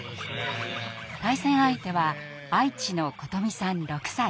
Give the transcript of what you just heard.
対戦相手は愛知の琴美さん６歳。